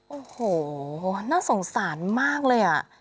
โอ้โหน่าสงสารมากเลยอ่ะ